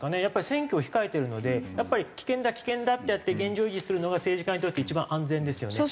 やっぱり選挙を控えてるので危険だ危険だってやって現状維持するのが政治家にとって一番安全ですよね。